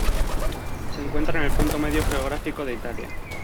Se encuentra en el punto medio geográfico de Italia.